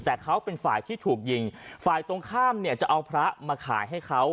แต่เขาเป็นฝ่ายที่ถูกยิงฝ่ายตรงข้ามเนี่ยจะเอาพระมาขายให้เขา